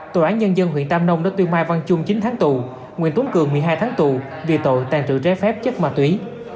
tòa án nhân dân huyện tam nông đã tuyên mai văn chung chín tháng tù nguyễn tuấn cường một mươi hai tháng tù vì tội tàn trự trái phép chất ma túy